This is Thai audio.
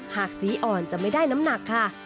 หากสีอ่อนจะไม่ได้น้ำหนักค่ะ